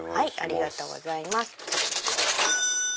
ありがとうございます。